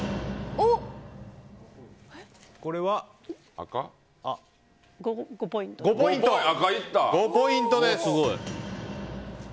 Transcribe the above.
これは５ポイントです。